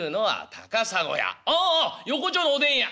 「ああ横町のおでん屋」。